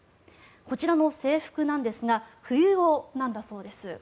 こちらの制服なんですが冬用なんだそうです。